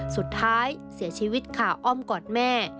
สุดท้ายเสียชีวิตค่ะอ้อมกอดแม่